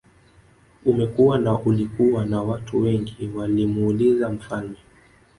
Umekua na ulikuwa na watu wengi walimuuliza mfalme